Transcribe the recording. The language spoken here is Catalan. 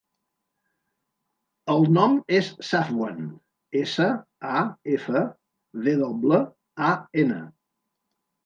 El nom és Safwan: essa, a, efa, ve doble, a, ena.